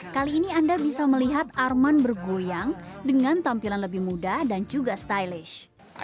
kali ini anda bisa melihat arman bergoyang dengan tampilan lebih mudah dan juga stylish